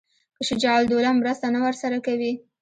که شجاع الدوله مرسته نه ورسره کوي.